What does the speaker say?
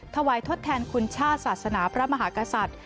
ทดแทนคุณชาติศาสนาพระมหากษัตริย์